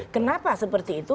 kenapa seperti itu